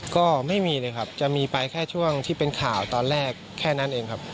ก็ไม่มีเลยครับจะมีไปแค่ช่วงที่เป็นข่าวตอนแรกแค่นั้นเองครับ